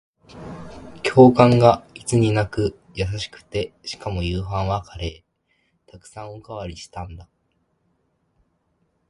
教官がいつになく優しくて、しかも夕飯はカレー。沢山おかわりしたんだ。